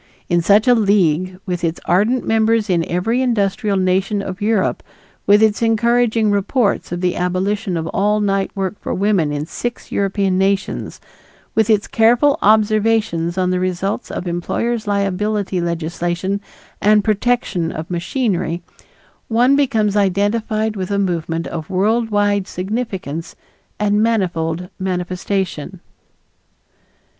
In such a league, with its ardent members in every industrial nation of Europe, with its encouraging reports of the abolition of all night work for women in six European nations, with its careful observations on the results of employer's liability legislation and protection of machinery, one becomes identified with a movement of world wide significance and manifold manifestation.